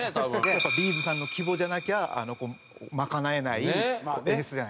やっぱＢ’ｚさんの規模じゃなきゃ賄えない演出じゃないですか。